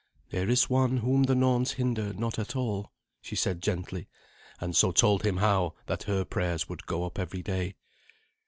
"There is One whom the Norns hinder not at all," she said gently, and so told him how that her prayers would go up every day.